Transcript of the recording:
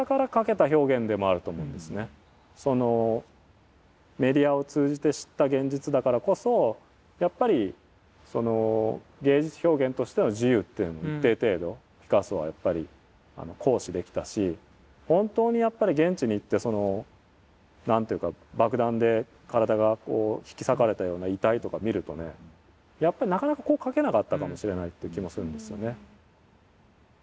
そこメディアを通じて知った現実だからこそやっぱりその芸術表現としての自由というのも一定程度ピカソはやっぱり行使できたし本当にやっぱり現地に行ってその何というか爆弾で体が引き裂かれたような遺体とか見るとねやっぱりなかなかこう描けなかったかもしれないという気もするんですよね。